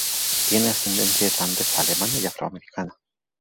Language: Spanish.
Tiene ascendencia irlandesa, alemana y afroamericana.